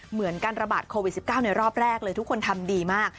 เหมือนการระบาดโควิด๑๙ในรอบแรกเลยทุกคนทำดีมาก